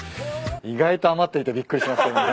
意外と余っていてびっくりしますけどね。